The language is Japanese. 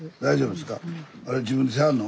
あれ自分でしはるの？